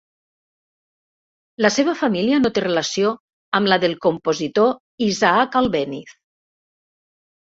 La seva família no té relació amb la del compositor Isaac Albéniz.